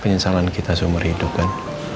penyesalan kita seumur hidup kan